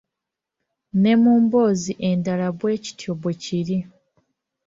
Ne mu mboozi endala bwe kityo bwe kiri